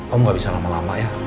om gak bisa lama lama ya